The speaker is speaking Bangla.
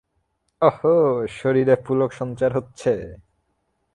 অহো, শরীরে পুলক সঞ্চার হচ্ছে!